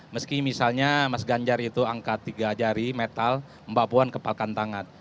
meski misalnya mas ganjar itu angkat tiga jari metal mbak puan kepalkan tangan